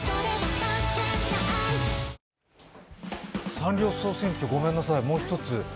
サンリオ総選挙、ごめんなさい、もう一つ。